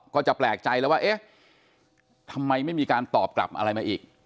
ก็จะแปลกใจแล้วว่าเอ๊ะทำไมไม่มีการตอบกลับอะไรมาอีก